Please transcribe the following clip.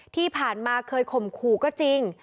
ที่ผ่านมาเคยข่มขู่ก็จริง